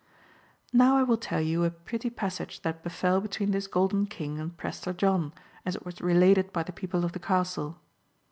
^] Now I will tell you a pretty passage that befel between this Golden King and Prester John, as it was related by the people of the Castle.